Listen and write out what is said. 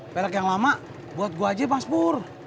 pelek yang lama buat gue aja mas pur